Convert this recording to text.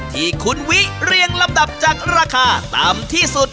ที่คุณวิเรียงลำดับจากราคาต่ำที่สุด